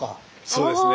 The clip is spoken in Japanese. そうですね。